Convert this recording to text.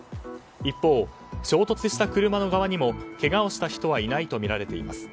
一方、衝突した車の側にもけがをした人はいないとみられています。